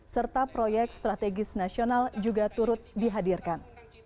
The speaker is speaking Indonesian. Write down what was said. serta proyek strategis nasional juga turut dihadirkan